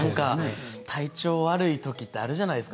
体調が悪いときってあるじゃないですか。